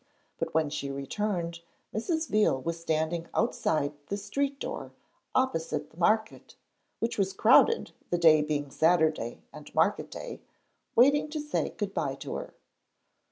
When she returned, Mrs. Veal was standing outside the street door, opposite the market (which was crowded, the day being Saturday and market day), waiting to say good bye to her.